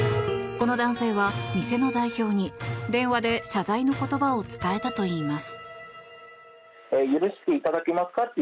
この男性は店の代表に電話で謝罪の言葉を伝えたといいます。